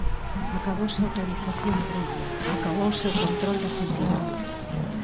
Acabouse a autorización previa, acabouse o control das entidades.